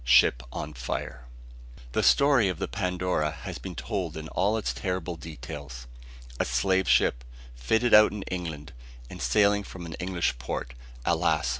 SHIP ON FIRE. The story of the Pandora has been told in all its terrible details. A slave ship, fitted out in England, and sailing from an English port, alas!